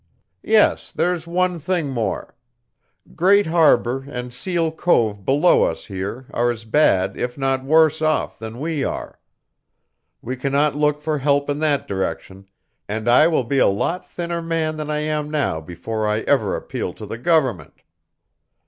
Yes, there's one thing more. Great Harbor and Seal Cove below us here are as bad if not worse off than we are. We cannot look for help in that direction, and I will be a lot thinner man than I am now before I ever appeal to the government.